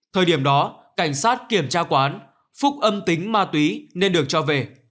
thời điểm đó cảnh sát kiểm tra quán phúc âm tính ma túy nên được cho về